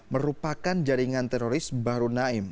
merupakan jaringan teroris baru naim